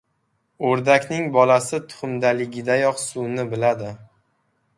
• O‘rdakning bolasi tuxumdaligidayoq suvni biladi.